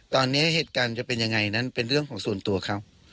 ตอนนี้เหตุการณ์จะเป็นยังไงนั้นเป็นเรื่องของส่วนตัวเขา